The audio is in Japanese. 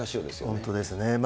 本当ですね。